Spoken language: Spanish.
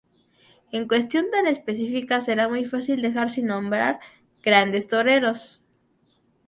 En cuestión tan específica será muy fácil dejar sin nombrar grandes toreros.